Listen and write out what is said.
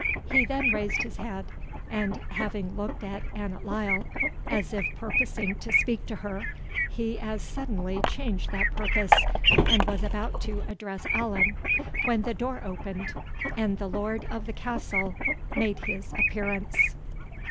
He then raised his head, and having looked at Annot Lyle, as if purposing to speak to her, he as suddenly changed that purpose, and was about to address Allan, when the door opened, and the Lord of the Castle made his appearance.